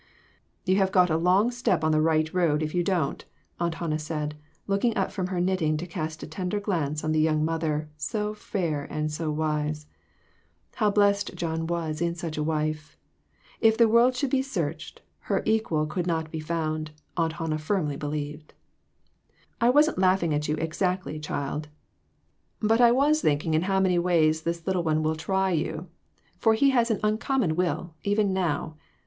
" You have got a long step on the right road if you don't," Aunt Hannah said, looking up from her knitting to cast a tender glance on the young mother, so fair and so wise. How blest John was in such a wife! If the world should be searched, her equal could not be found, Aunt Hannah firmly believed. "I wasn't laughing at you exactly, child, but I was thinking in how many ways this little fellow THREE OF US. 393 would try you, for he has an uncommon will, even now.